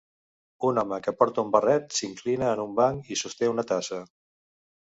Un home que porta un barret s'inclina en un banc i sosté una tassa.